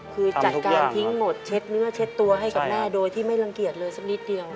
คือจัดการทิ้งหมดเช็ดเนื้อเช็ดตัวให้กับแม่โดยที่ไม่รังเกียจเลยสักนิดเดียว